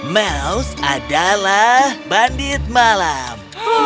mouse adalah bandit malam